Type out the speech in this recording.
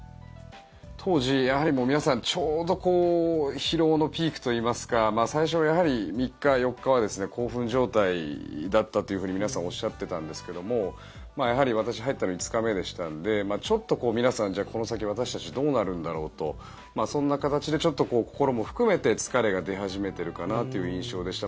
当時、皆さんちょうど疲労のピークといいますか最初やはり３日、４日は興奮状態だったというふうに皆さんおっしゃってたんですけどもやはり私、入ったの５日目でしたのでちょっと皆さんこの先私たちどうなるんだろうとそんな形でちょっと心も含めて疲れが出始めてるかなという印象でした。